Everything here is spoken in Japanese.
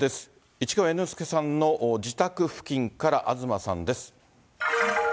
市川猿之助さんの自宅付近から東さんです。